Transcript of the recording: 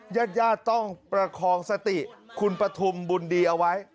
ญาติญาติต้องประคองสติคุณปฐุมบุญดีเอาไว้